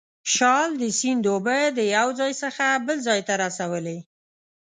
شال د سیند اوبه د یو ځای څخه بل ځای ته رسولې.